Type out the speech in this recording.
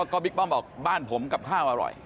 ก็บิ๊กป้อมบอกบ้านผมกับข้าวอร่อย